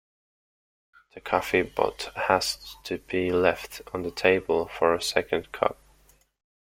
The coffee pot has to be left on the table, for a second cup.